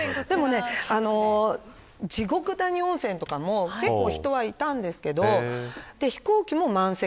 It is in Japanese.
地獄谷温泉とかも結構人はいたんですが飛行機も満席。